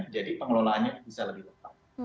jadi pengelolaannya bisa lebih lebat